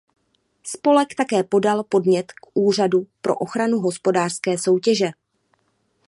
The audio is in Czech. Spolek také podal podnět k Úřadu pro ochranu hospodářské soutěže.